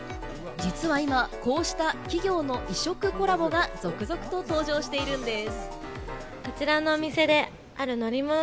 実は今、こうした企業の異色コラボが続々と登場しているんです。